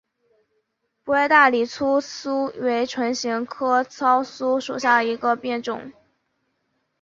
薄叶大理糙苏为唇形科糙苏属下的一个变种。